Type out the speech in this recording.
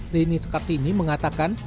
rini sekartini mengatakan